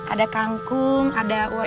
ada kangkung ada uap